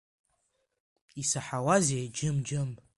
Исаҳауазеи, џьым, џьым…